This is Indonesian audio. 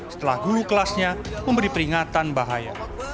setelah guru kelasnya memberi peringatan bahaya